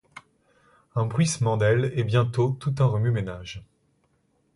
un bruissement d'ailes et bientôt tout un remue-menage.